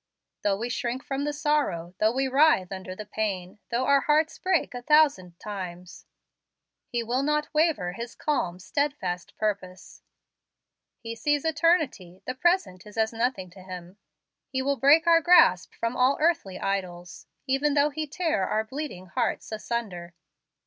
Though we shrink from the sorrow, though we writhe under the pain, though our hearts break a thousand times, He will not waver in His calm, steadfast purpose. He sees eternity; the present is as nothing to Him. He will break our grasp from all earthly idols, even though He tear our bleeding hearts asunder.